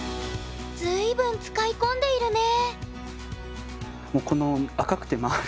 随分使い込んでいるね